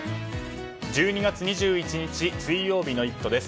１２月２１日水曜日の「イット！」です。